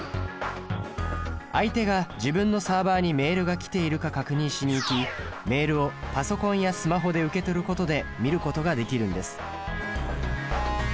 相手が自分のサーバにメールが来ているか確認しに行きメールをパソコンやスマホで受け取ることで見ることができるんです。